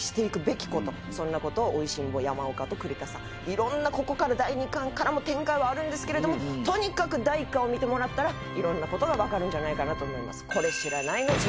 いろんなここから第２巻からも展開はあるんですけれどもとにかく第１巻を見てもらったらいろんな事がわかるんじゃないかなと思います。